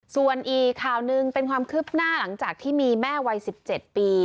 ส่วนอีกข่าวหนึ่งเป็นความคืบหน้าหลังจากที่มีแม่วัย๑๗ปี